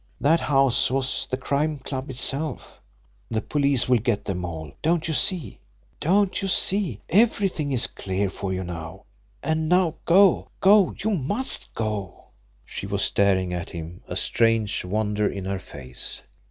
That house was the Crime Club itself. The police will get them all. Don't you see! Don't you see! Everything is clear for you now and now go! Go you must go!" She was staring at him, a strange wonder in her face.